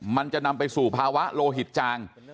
มันจะนำไปสู่ภาวะโลหิตจาง